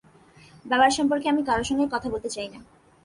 বাবার সম্পর্কে আমি কারো সঙ্গেই কথা বলতে চাই না।